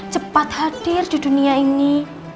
cepat hadir di dunia ini